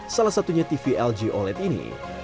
salah satunya tv lg oled ini